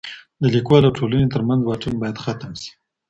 د ليکوال او ټولني تر منځ واټن بايد ختم سي.